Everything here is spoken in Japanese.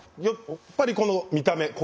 やっぱりこの見た目。